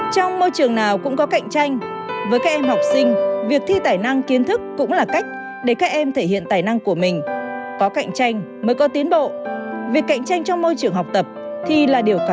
trong môi trường nào cũng có cạnh tranh với các em học sinh việc thi tài năng kiến thức cũng là cách để các em thể hiện tài năng của mình có cạnh tranh mới có tiến bộ việc cạnh tranh trong môi trường học tập thì là điều